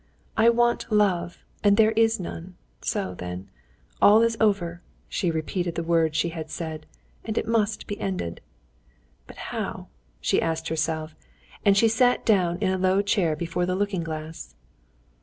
"I want love, and there is none. So, then, all is over." She repeated the words she had said, "and it must be ended." "But how?" she asked herself, and she sat down in a low chair before the looking glass.